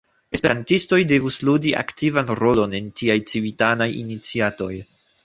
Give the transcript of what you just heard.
Esperantistoj devus ludi aktivan rolon en tiaj civitanaj iniciatoj.